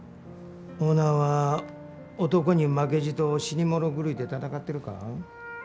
オーナーは男に負けじと死に物狂いで闘ってるか？